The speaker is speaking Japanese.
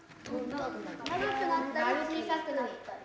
長くなったり小さくなったり。